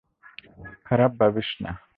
খারাপ ভাবিস না।